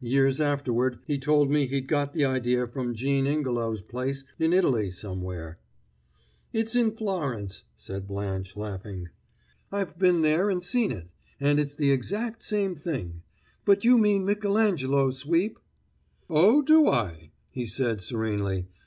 Years afterward, he told me he'd got the idea from Jean Ingelow's place in Italy somewhere." "It's in Florence," said Blanche, laughing. "I've been there and seen it, and it's the exact same thing. But you mean Michelangelo, Sweep!" "Oh, do I?" he said serenely.